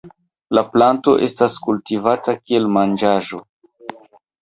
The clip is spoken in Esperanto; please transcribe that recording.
La planto estas kultivata kiel manĝaĵo.